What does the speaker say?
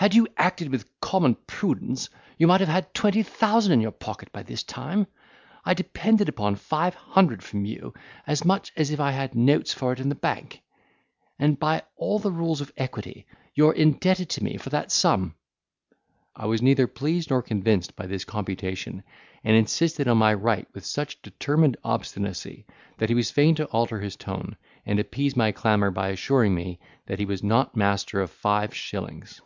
had you acted with common prudence, you might have had twenty thousand in your pocket by this time. I depended upon five hundred from you, as much as if I had had notes for it in the bank; and by all the rules of equity, you are indebted to me for that sum." I was neither pleased nor convinced by this computation, and insisted on my right with such determined obstinacy, that he was fain to alter his ton, and appease my clamour by assuring me, that he was not master of five shillings.